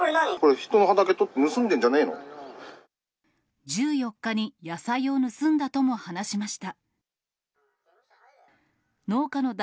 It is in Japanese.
人の畑、１４日に野菜を盗んだとも話しました。